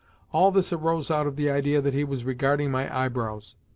All this arose out of the idea that he was regarding my eyebrows.